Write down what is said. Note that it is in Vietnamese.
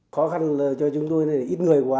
khó khăn cho chúng tôi là ít người quá